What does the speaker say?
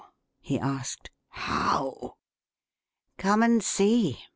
he asked. "How?" "Come and see!"